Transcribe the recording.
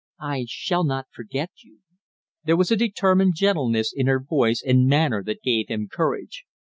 "I shall not forget you." There was a determined gentleness in her speech and manner that gave him courage.